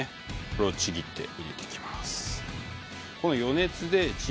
これをちぎって入れていきます